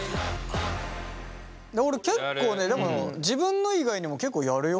俺結構ねでも自分の以外にも結構やるよ。